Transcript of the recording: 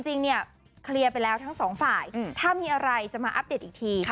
จริงเนี่ยเคลียร์ไปแล้วทั้งสองฝ่ายถ้ามีอะไรจะมาอัปเดตอีกที